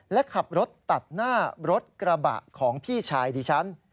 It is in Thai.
และขับรถตัดหน้ารถกระบะของพี่ชายดิฉัน